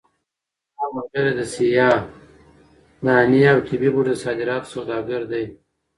زما ملګری د سیاه دانې او طبي بوټو د صادراتو سوداګر دی.